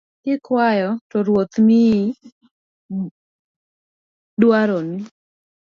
Kikuayo to Ruoth miyi dwaroni